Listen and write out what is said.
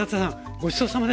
ごちそうさまでした。